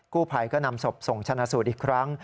กู้ภัยก็นำศพส่งชนะสูตรอีกครั้ง